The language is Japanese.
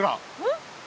ん？